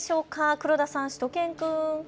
黒田さん、しゅと犬くん。